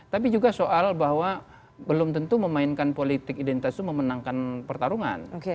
tapi juga soal bahwa belum tentu memainkan politik identitas itu memenangkan pertarungan